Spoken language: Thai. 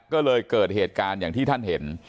ก็เลยเกิดเหตุการณ์อย่างที่ท่านเห็น